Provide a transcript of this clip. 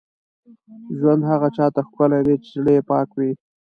ژوند هغه چا ته ښکلی دی، چې زړه یې پاک وي.